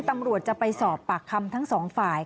ตำรวจจะไปสอบปากคำทั้งสองฝ่าย